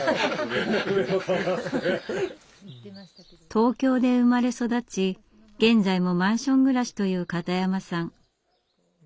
東京で生まれ育ち現在もマンション暮らしという片山さん。